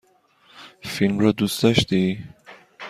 فیلم را دوست داشتی؟